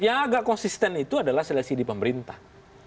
yang agak konsisten itu adalah seleksi di pemerintah